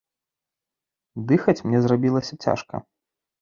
Дыхаць мне зрабілася цяжка.